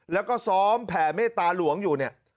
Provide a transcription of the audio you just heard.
แล้วก็ซ้อมแผ่เมตตาหลวงอยู่เนี่ย